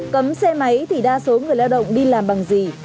cấm xe máy thì đa số người lao động đi làm bằng gì